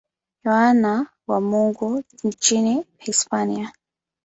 Yohane wa Mungu nchini Hispania.